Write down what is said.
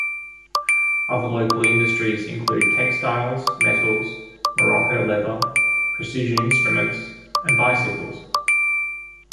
Other local industries include textiles, metals, morocco leather, precision instruments, and bicycles.